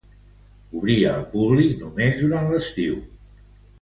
Obri al públic només durant l'estiu.